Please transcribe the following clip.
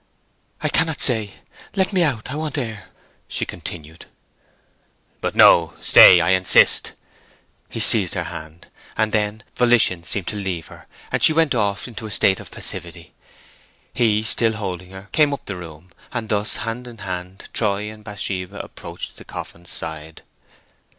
"I cannot say; let me go out. I want air!" she continued. "But no; stay, I insist!" He seized her hand, and then volition seemed to leave her, and she went off into a state of passivity. He, still holding her, came up the room, and thus, hand in hand, Troy and Bathsheba approached the coffin's side.